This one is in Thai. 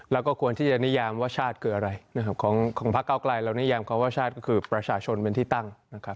เราก็ควรที่จะนิยามว่าชาติคืออะไรของภาคเก้าไกลเรานิยามว่าชาติคือประชาชนเป็นที่ตั้ง